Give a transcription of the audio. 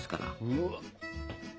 うわっ！